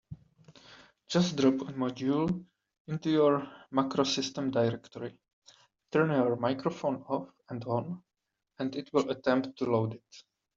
Just drop a module into your MacroSystem directory, turn your microphone off and on, and it will attempt to load it.